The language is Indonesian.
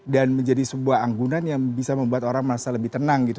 dan menjadi sebuah anggunan yang bisa membuat orang merasa lebih tenang gitu